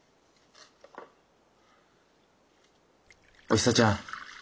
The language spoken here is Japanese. おひさちゃん